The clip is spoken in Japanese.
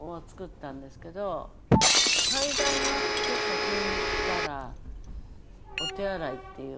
階段があって先に行ったらお手洗いっていう。